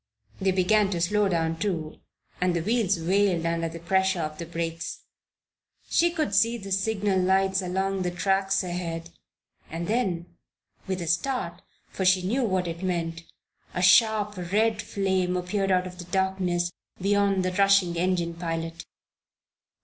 They began to slow down, too, and the wheels wailed under the pressure of the brakes. She could see the signal lights along the tracks ahead and then with a start, for she knew what it meant a sharp red flame appeared out of the darkness beyond the rushing engine pilot.